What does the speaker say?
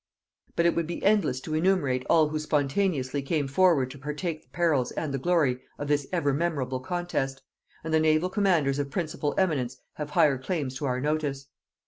But it would be endless to enumerate all who spontaneously came forward to partake the perils and the glory of this ever memorable contest; and the naval commanders of principal eminence have higher claims to our notice.